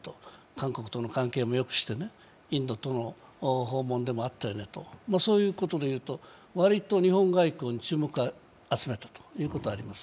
韓国との関係も良くしてインドとの訪問もあったよねとそういうことでいうとわりと日本外交に注目を集めたということがあります。